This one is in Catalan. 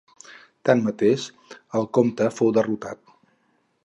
Tanmateix, el comte fou derrotat.